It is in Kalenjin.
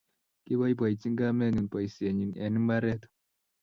kiboiboichi kamenyu boisienyin eng' mbaret.